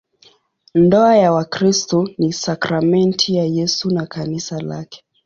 Ndoa ya Wakristo ni sakramenti ya Yesu na Kanisa lake.